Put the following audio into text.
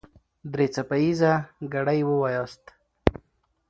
درې څپه ايزه ګړې وواياست.